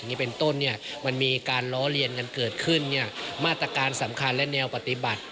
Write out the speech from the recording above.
เงี่ยเป็นต้นมีการล้อเลียนเกิดขึ้นมาตรการสำคัญและแนวปฏิบัติ